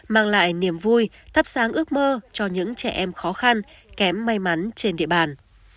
mang lại niềm vui thắp sáng ước mơ cho những trẻ em khó khăn kém may mắn trên địa bàn